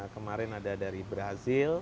kemarin ada dari brazil